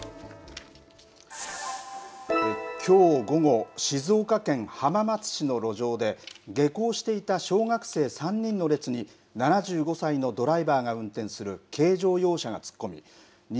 きょう午後、静岡県浜松市の路上で下校していた小学生３人の列に７５歳のドライバーが運転する軽乗用車が突っ込み２